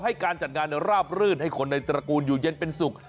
ให้การจัดงานราบรื่นให้คนในตระกูลอยู่เย็นเป็นสุข